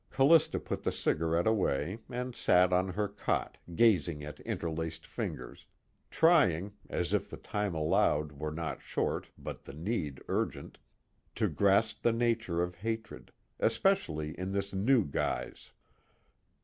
Callista put the cigarettes away and sat on her cot gazing at interlaced fingers, trying (as if the time allowed were not short but the need urgent) to grasp the nature of hatred, especially in this new guise.